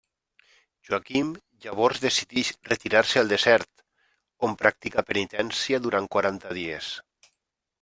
Joaquim llavors decidix retirar-se al desert, on practica penitència durant quaranta dies.